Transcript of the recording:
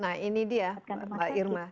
nah ini dia mbak irma